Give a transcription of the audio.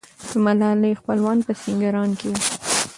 د ملالۍ خپلوان په سینګران کې وو.